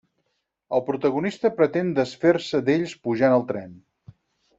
El protagonista pretén desfer-se d'ells pujant al tren.